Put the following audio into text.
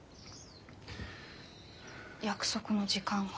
約束の時間は？